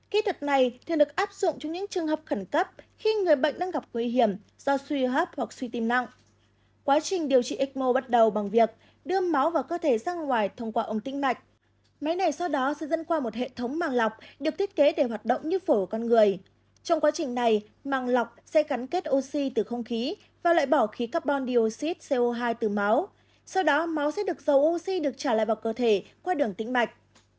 kỹ thuật này thường được áp dụng trong những trường hợp khẩn cấp khi người bệnh đang gặp nguy hiểm do suy hấp hoặc suy tim nặng quá trình điều trị ecmo bắt đầu bằng việc đưa máu vào cơ thể sang ngoài thông qua ống tĩnh mạch máy này sau đó sẽ dân qua một hệ thống màng lọc được thiết kế để hoạt động như phổi của con người trong quá trình này màng lọc sẽ cắn kết oxy từ không khí và lại bỏ khí carbon dioxide co hai từ máu sau đó máu sẽ được dầu oxy được trả lại vào cơ thể qua đường tĩnh mạch